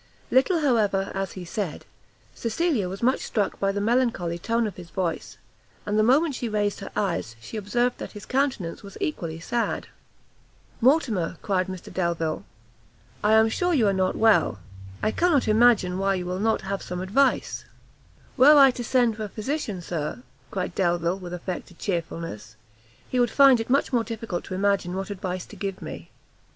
Little, however, as he said, Cecilia was much struck by the melancholy tone of his voice, and the moment she raised her eyes, she observed that his countenance was equally sad. "Mortimer," cried Mr Delvile, "I am sure you are not well; I cannot imagine why you will not have some advice." "Were I to send for a physician, Sir," cried Delvile, with affected chearfulness, "he would find it much more difficult to imagine what advice to give me."